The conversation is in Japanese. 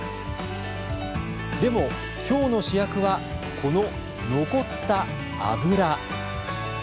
でも、今日の主役はこの、残った油。